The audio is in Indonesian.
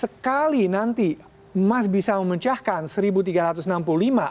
sekali nanti emas bisa memecahkan us dollar per troy ounce